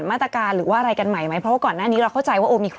เมริจะขอแปลลี่